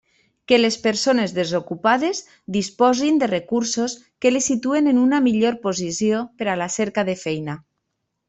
Que les persones desocupades disposin de recursos que les situïn en una millor posició per a la cerca de feina.